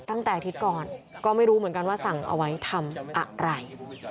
ตั้งแต่อาทิตย์ก่อนก็ไม่รู้เหมือนกันว่าสั่งเอาไว้ทำอะไร